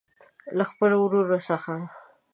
له خپلو وروڼو څخه.